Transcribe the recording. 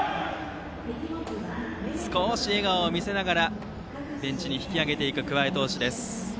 少し笑顔を見せながらベンチに引き揚げていく桑江投手です。